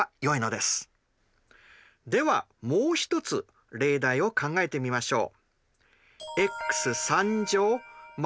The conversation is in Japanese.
ではもう一つ例題を考えてみましょう。